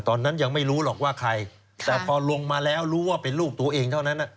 ตอนนั้นยังไม่รู้หรอกว่าใครแต่พอลงมาแล้วรู้ว่าเป็นลูกตัวเองเท่านั้น